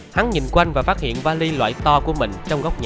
hắn nhìn quanh và phát hiện vali loại to của mình trong góc nhà